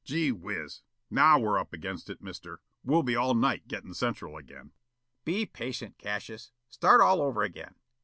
"Gee whiz! Now, we're up against it, Mister. We'll be all night gettin' Central again." "Be patient, Cassius. Start all over again.